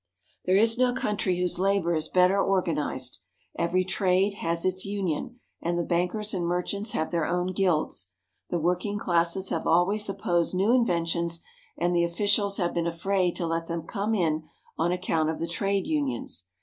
There is no country whose labor is better organized. Every trade has its union, and the bankers and merchants have their own guilds. The working classes have always opposed new inventions, and the officials have been afraid to let them come in on account of the trade unions.